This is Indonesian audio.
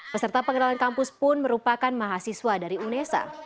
peserta pengenalan kampus pun merupakan mahasiswa dari unesa